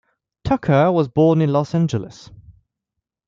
Tucker was born in Los Angeles.